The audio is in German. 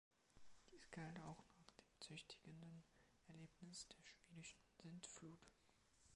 Dies galt auch nach dem züchtigenden Erlebnis der Schwedischen „Sintflut“.